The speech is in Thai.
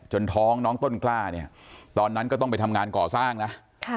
ท้องน้องต้นกล้าเนี่ยตอนนั้นก็ต้องไปทำงานก่อสร้างนะ